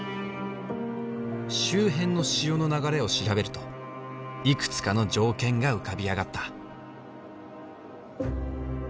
周辺の潮の流れを調べるといくつかの条件が浮かび上がった。